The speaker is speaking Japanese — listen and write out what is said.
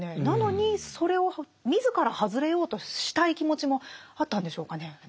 なのにそれを自ら外れようとしたい気持ちもあったんでしょうかね。